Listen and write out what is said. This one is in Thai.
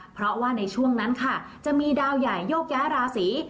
เพราะว่าในช่วงนั้นค่ะจะมีดาวใหญ่โยกย้ายราศี